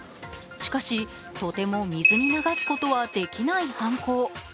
しかし、とても水に流すことはできない犯行。